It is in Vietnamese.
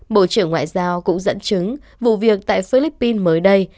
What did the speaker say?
bộ trưởng ngoại giao cũng dẫn chứng vụ việc tại philippines mới đây